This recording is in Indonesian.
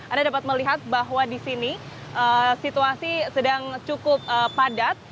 anda dapat melihat bahwa di sini situasi sedang cukup padat